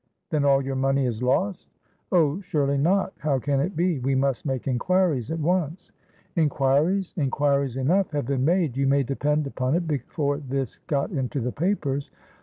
Then all your money is lost?" "Oh, surely not? How can it be? We must make inquiries at once" "Inquiries? Inquiries enough have been made, you may depend upon it, before this got into the papers.